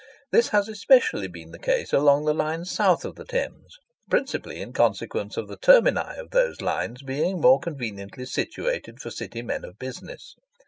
This has especially been the case along the lines south of the Thames, principally in consequence of the termini of those lines being more conveniently situated for city men of business.